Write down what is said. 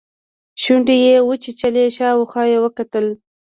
شونډې يې وچيچلې شاوخوا يې وکتل.